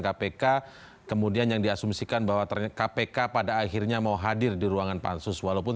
kpk kemudian yang diasumsikan bahwa ternyata kpk pada akhirnya mau hadir di ruangan pansus walaupun